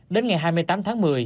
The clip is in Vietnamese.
đến ngày hai mươi tám tháng một mươi